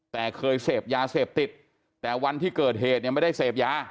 แต่เคยเสพยาเสพติดแต่วันที่เกิดเหตุเนี่ยไม่ได้เสพยา